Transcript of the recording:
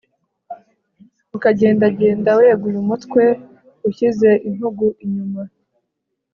ukagendagenda weguye umutwe ushyize intugu inyuma